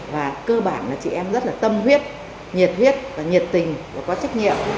và cơ bản là chị em rất là tâm huyết nhiệt huyết và nhiệt tình và có trách nhiệm